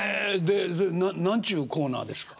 でそれ何ちゅうコーナーですか？